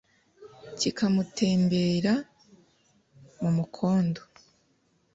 kikamutembera mu mukondo,